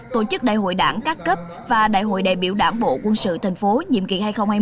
tổ chức đại hội đảng các cấp và đại hội đại biểu đảng bộ quân sự thành phố nhiệm kỳ hai nghìn hai mươi hai nghìn hai mươi năm